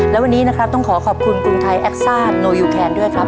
และวันนี้นะครับต้องขอขอบคุณกรุงไทยแอคซ่าโนยูแคนด้วยครับ